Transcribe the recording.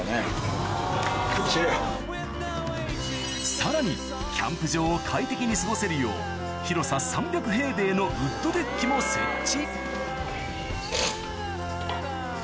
さらにキャンプ場を快適に過ごせるよう広さ３００平米のウッドデッキも設置